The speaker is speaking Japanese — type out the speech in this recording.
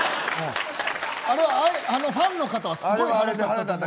あれはファンの方はすごい腹立った。